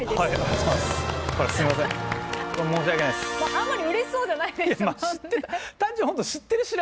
あんまりうれしそうじゃない。